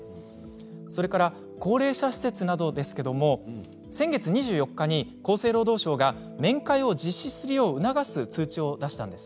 それから高齢者施設などですけれども先月２４日に厚生労働省が面会を実施するよう促す通知を出したんです。